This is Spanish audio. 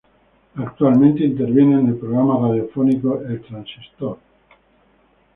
Actualmente, interviene en el programa radiofónico El Transistor.